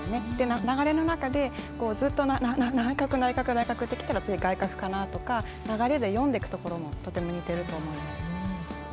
流れの中で内角、内角ときたら次ぎ、外角かなとか流れで読んでいくところがとても似ていると思います。